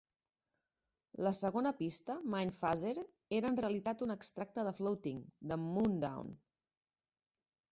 La segona pista, "Mindphaser", era en realitat un extracte de "Floating" de "Moondawn".